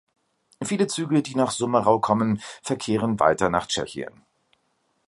Viele Züge, die nach Summerau kommen, verkehren weiter nach Tschechien.